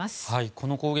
この攻撃